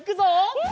うん。